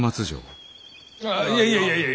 ああいやいやいやいや。